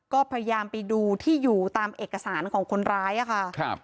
ก็พยายามไปดูที่อยู่ตามเอกสารของคนร้ายค่ะ